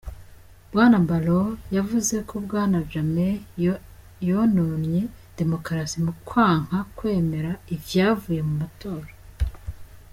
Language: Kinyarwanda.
Bwana Barrow yavuze ko bwana Jammeh yononye demokrasi mu kwanka kwemera ivyavuye mu matora.